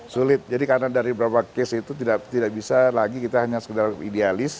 sulit jadi karena dari beberapa case itu tidak bisa lagi kita hanya sekedar idealis